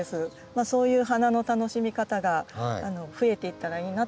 そういう花の楽しみ方が増えていったらいいなと思います。